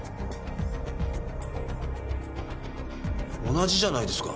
同じじゃないですか。